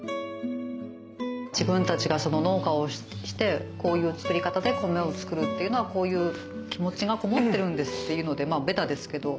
自分たちが農家をしてこういう作り方で米を作るっていうのはこういう気持ちがこもってるんですっていうのでまあベタですけど。